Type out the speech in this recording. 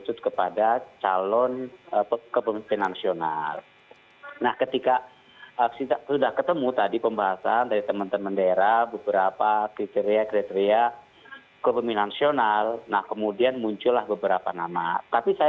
setelah kriteria mengerucut pada nama nama personal dan lima nama itu saja